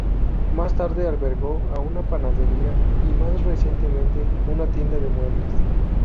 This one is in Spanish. Más tarde albergó a una panadería y, más recientemente, una tienda de muebles.